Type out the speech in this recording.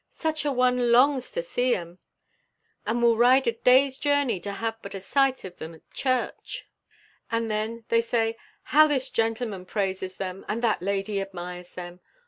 Such a one longs to see 'em and will ride a day's journey, to have but a sight of 'em at church." And then they say, "How this gentleman praises them, and that lady admires them."